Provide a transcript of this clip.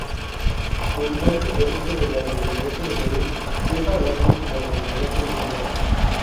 Culminado el proceso de la Independencia del Perú, viaja a Londres como representante diplomático.